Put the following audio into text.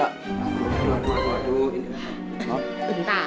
aduh aduh aduh aduh